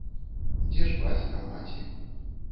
Дзе ж бацька, маці?